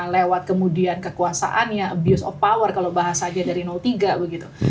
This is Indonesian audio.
lewat kemudian kekuasaannya abuse of power kalau bahasanya dari tiga begitu